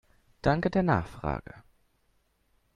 Danke der Nachfrage!